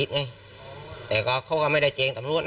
แต่ก็เขาก็ไม่ได้เจ็นนำพ่อต